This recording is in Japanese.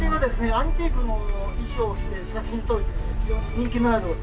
アンティークの衣装を着て写真を撮るという非常に人気のある写真屋さんです」